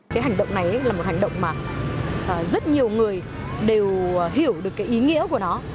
cái hành động này là một hành động mà rất nhiều người đều hiểu được cái ý nghĩa của nó